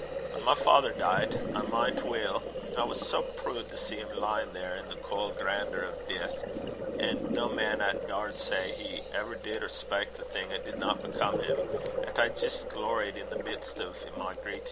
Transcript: Whan my father deit, I min' weel, I was sae prood to see him lyin' there, in the cauld grandeur o' deith, an' no man 'at daured say he ever did or spak the thing 'at didna become him, 'at I jist gloried i' the mids o' my greetin'.